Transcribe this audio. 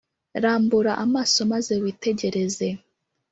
rambura amaso maze witegereze,